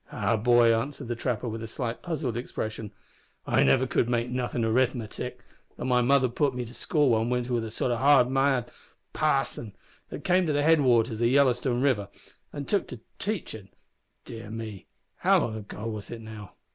"Ah, boy," answered the trapper, with a slightly puzzled expression, "I never could make nothin' o' 'rithmetic, though my mother put me to school one winter with a sort o' half mad parson that came to the head waters o' the Yellowstone river, an' took to teachin' dear me, how long ago was it now?